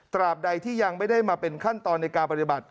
บใดที่ยังไม่ได้มาเป็นขั้นตอนในการปฏิบัติ